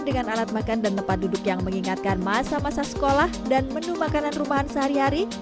dengan alat makan dan tempat duduk yang mengingatkan masa masa sekolah dan menu makanan rumahan sehari hari